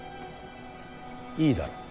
いいだろう。